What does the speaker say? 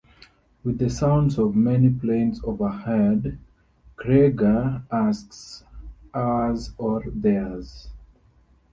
With the sounds of many planes overhead, Kreuger asks: "Ours or theirs?".